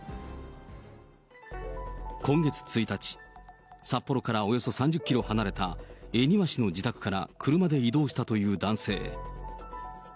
今月１日、札幌からおよそ３０キロ離れた恵庭市の自宅から車で移動したという男性。